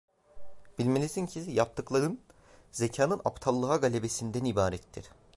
Bilmelisin ki, yaptıkların zekanın aptallığa galebesinden ibarettir…